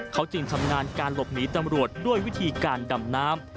เขาจึงทำงานการหลบหนีตำรวจด้วยวิธีการดำน้ำ